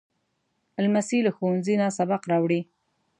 لمسی له ښوونځي نه سبق راوړي.